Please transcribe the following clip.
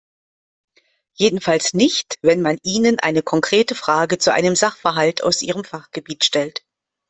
Jedenfalls nicht, wenn man ihnen eine konkrete Frage zu einem Sachverhalt aus ihrem Fachgebiet stellt.